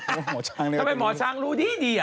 ทำไมหมอช้างรู้ดีดีอ่ะ